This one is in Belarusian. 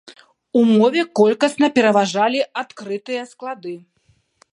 У мове колькасна пераважалі адкрытыя склады.